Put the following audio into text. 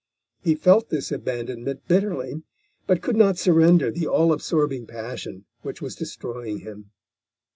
He felt this abandonment bitterly, but could not surrender the all absorbing passion which was destroying him.